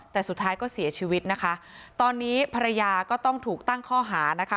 แต่สุดท้ายก็เสียชีวิตนะคะตอนนี้ภรรยาก็ต้องถูกตั้งข้อหานะคะ